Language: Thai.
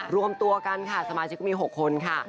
รวมตัวกันค่ะสมาชิกมี๖คนค่ะ